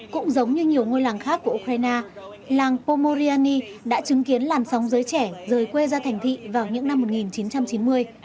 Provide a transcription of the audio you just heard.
cũng giống như nhiều ngôi làng khác của ukraine làng pomoriani đã chứng kiến làn sóng giới trẻ rời quê ra thành thị vào những năm một nghìn chín trăm chín mươi